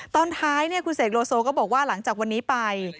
ตอนท้ายคุณเสกโลโซก็บอกว่าหลังจากวันนี้ไป